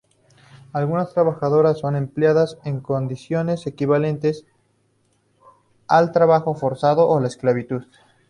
Algunas trabajadoras son empleadas en condiciones equivalentes al trabajo forzado o la esclavitud.